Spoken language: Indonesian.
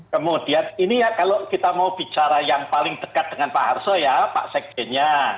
kemudian ini kalau kita mau bicara yang paling dekat dengan pak harso ya pak sekjennya